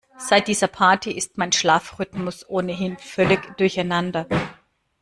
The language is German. Seit dieser Party ist mein Schlafrhythmus ohnehin völlig durcheinander.